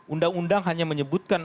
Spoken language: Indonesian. undang undang hanya menyebutkan